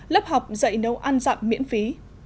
lớp học dạy nấu ăn dặm miễn phí